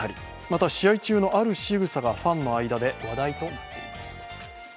また試合中のあるしぐさがファンの間で話題となっています。